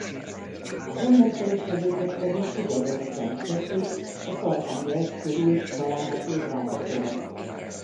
A holland kereskedőket pedig igen érdekelni kezdték az Arhangelszk körül található drágakövek.